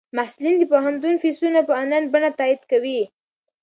محصلین د پوهنتون فیسونه په انلاین بڼه تادیه کوي.